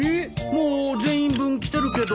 もう全員分来てるけど。